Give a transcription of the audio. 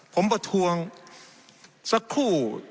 ผมประท้วงสักครู่